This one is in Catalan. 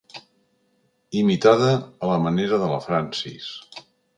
Imitada a la manera de la Francis.